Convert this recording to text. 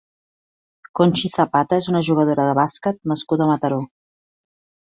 Conchi Zapata és una jugadora de bàsquet nascuda a Mataró.